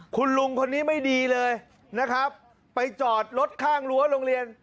คุณลุงคนนี้ไม่ดีเลยไปจอดฮรถข้างลัวลงเรียน